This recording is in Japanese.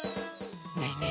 ねえねえ